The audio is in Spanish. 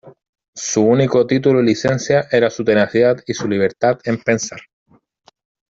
Su único título y licencia era su tenacidad y su libertad en pensar.